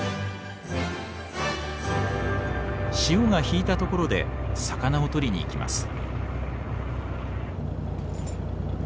潮が引いたところで魚をとりにいきます。